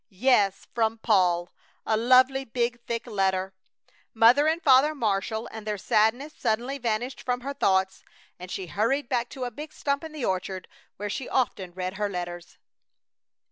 Yes, from Paul! A lovely, big, thick letter! Mother and Father Marshall and their sadness suddenly vanished from her thoughts, and she hurried back to a big stump in the orchard, where she often read her letters.